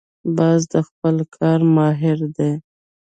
باز د خپل کار ماهر دی